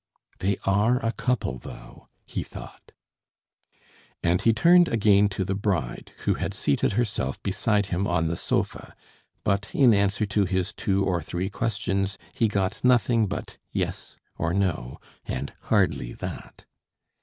"They are a couple, though!" he thought. And he turned again to the bride, who had seated herself beside him on the sofa, but in answer to his two or three questions he got nothing but "yes" or "no," and hardly that.